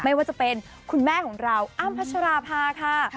ไม่ว่าจะเป็นคุณแม่ของเราอ้ำพัชราภาค่ะ